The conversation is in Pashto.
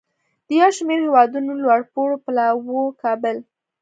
د یو شمیر هیوادونو لوړپوړو پلاوو کابل